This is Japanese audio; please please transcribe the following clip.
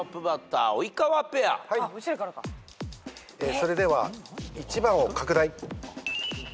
それでは１番を拡大。